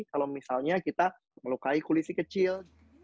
kalau misalnya kita melukai kulit si kecil